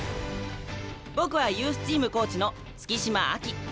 僕はユースチームコーチの月島亜希。